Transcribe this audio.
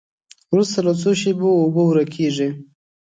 وروسته له څو شېبو اوبه ورکیږي.